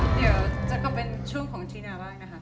เดี๋ยวจะก็เป็นช่วงของที่นาบ้างนะคะ